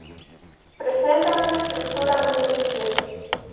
Presenta una estructura muy sencilla.